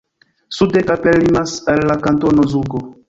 Sude Kappel limas al la Kantono Zugo.